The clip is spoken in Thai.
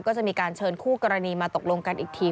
ก็จะมีการเชิญคู่กรณีมาตกลงกันอีกที